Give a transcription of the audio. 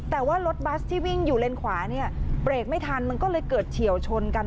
แต่ว่ารถบัสที่วิ่งอยู่เลนขวาเนี่ยเบรกไม่ทันมันก็เลยเกิดเฉียวชนกัน